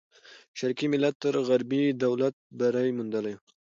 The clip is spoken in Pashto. شرقي ملت تر غربي دولت بری موندلی وو.